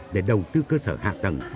để đầu tư cơ sở hạ tầng